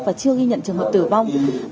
và chưa ghi nhận trường hợp tử vong